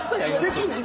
できんねん。